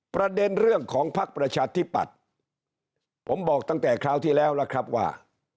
ประเด็นเรื่องของภักดิ์ประชาธิปัตย์ผมบอกตั้งแต่คราวที่แล้วแล้วครับว่า